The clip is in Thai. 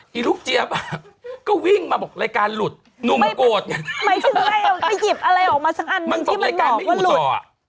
หมายถึงว่าให้ไปหยิบอะไรออกมาสักอันนึงที่มันบอกว่าหลุด